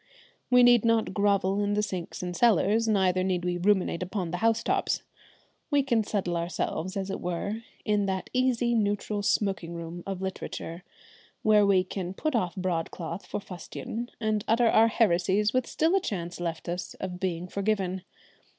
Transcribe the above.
We need not grovel in the sinks and cellars, neither need we ruminate upon the house tops. We can settle ourselves as it were, in that easy, neutral smoking room of literature, where we can put off broadcloth for fustian; and utter our heresies with still a chance left us of being forgiven.